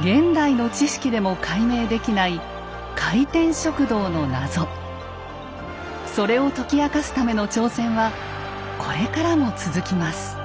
現代の知識でも解明できないそれを解き明かすための挑戦はこれからも続きます。